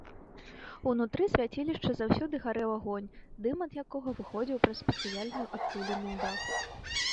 Унутры свяцілішча заўсёды гарэў агонь, дым ад якога выходзіў праз спецыяльную адтуліну ў даху.